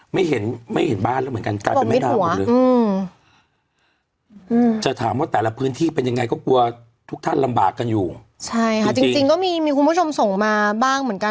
ไม่เห็นไม่เห็นบ้านแล้วเหมือนกันกลายเป็นแม่ดาวหมดเลยอืมจะถามว่าแต่ละพื้นที่เป็นยังไงก็กลัวทุกท่านลำบากกันอยู่ใช่ค่ะจริงจริงก็มีมีคุณผู้ชมส่งมาบ้างเหมือนกัน